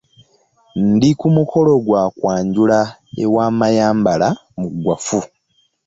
Ndi ku mukolo gwa kwanjula ewa Mayambala mu ggwafu.